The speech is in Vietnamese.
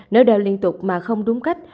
nếu đeo liên tục mà không đúng cách